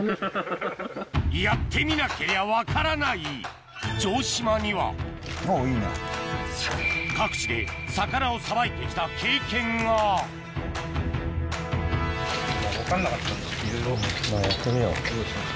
やってみなけりゃ分からない城島には各地で魚をさばいて来た経験がやってみよう。